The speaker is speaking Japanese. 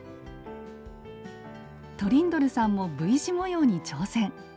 トリンドルさんもＶ字模様に挑戦！